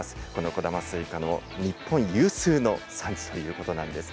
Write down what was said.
小玉スイカの日本有数の産地ということなんです。